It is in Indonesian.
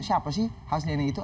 siapa sih hasnani itu